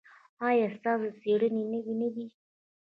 ایا ستاسو څیړنې نوې نه دي؟